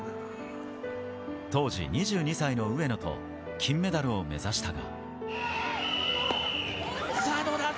当時２２歳の上野と金メダルを目指したが。